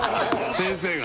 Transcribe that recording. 先生が？